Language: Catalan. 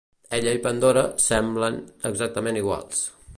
Ella i Pandora semblen exactament iguals.